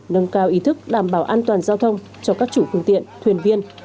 nâng cao ý thức đảm bảo an toàn giao thông cho các chủ phương tiện thuyền viên